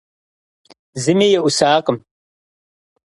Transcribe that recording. Зыми еӀусакъым.